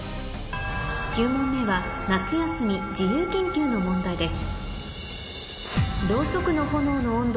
９問目は夏休み自由研究の問題です